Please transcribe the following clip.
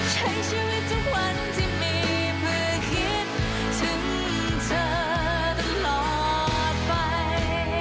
ใช้ชีวิตทุกวันที่มีมือคิดถึงเธอตลอดไป